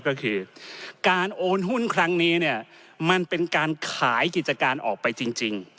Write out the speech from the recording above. ก็คือการโอนหุ้นครั้งนี้เนี่ยมันเป็นการขายกิจการออกไปจริง